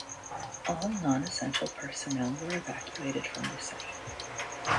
All non-essential personnel were evacuated from the site.